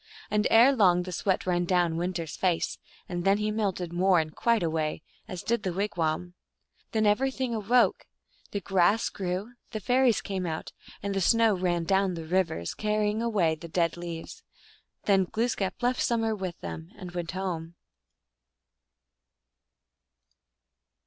And ere long the sweat ran down Winter s face, and then he melted more and quite away, as did the wigwam. Then every thing awoke ; the grass grew, the fairies came out, and the snow ran down the rivers, carrying away the dead leaves. Then Glooskap left Summer with them, and went home.